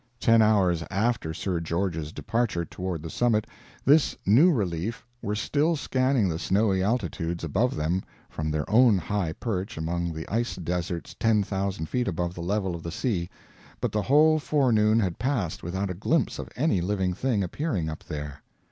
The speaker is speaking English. Ten hours after Sir George's departure toward the summit, this new relief were still scanning the snowy altitudes above them from their own high perch among the ice deserts ten thousand feet above the level of the sea, but the whole forenoon had passed without a glimpse of any living thing appearing up there.